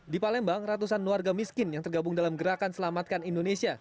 di palembang ratusan warga miskin yang tergabung dalam gerakan selamatkan indonesia